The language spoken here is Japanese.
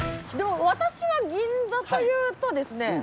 私は銀座というとですね。